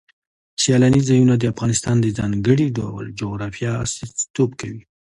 سیلانی ځایونه د افغانستان د ځانګړي ډول جغرافیه استازیتوب کوي.